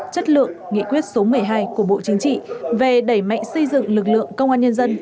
chất lượng nghị quyết số một mươi hai của bộ chính trị về đẩy mạnh xây dựng lực lượng công an nhân dân